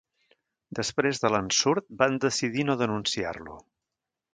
Després de l'ensurt van decidir no denunciar-lo.